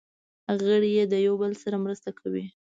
غړي یې د یو بل سره مرسته کوي.